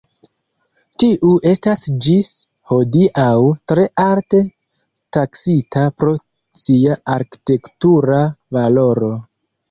Tiu estas ĝis hodiaŭ tre alte taksita pro sia arkitektura valoro.